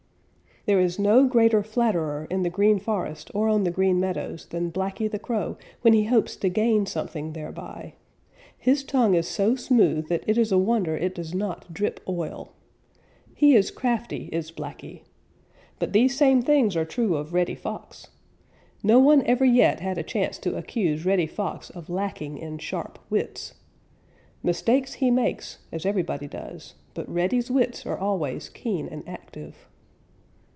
_ There is no greater flatterer in the Green Forest or on the Green Meadows than Blacky the Crow when he hopes to gain something thereby. His tongue is so smooth that it is a wonder it does not drip oil. He is crafty, is Blacky. But these same things are true of Reddy Fox. No one ever yet had a chance to accuse Reddy Fox of lacking in sharp wits. Mistakes he makes, as everybody does, but Reddy's wits are always keen and active.